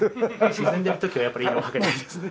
沈んでる時はやっぱりいいの書けないですね。